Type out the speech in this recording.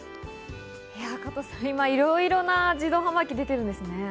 加藤さん、今いろいろな自動販売機が出てるんですね。